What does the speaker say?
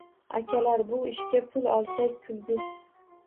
— Akalar, bu ishga pul olsak – kulgu!